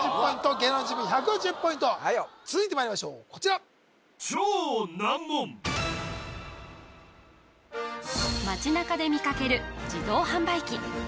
芸能人チーム１１０ポイント続いてまいりましょうこちら街なかで見かける自動販売機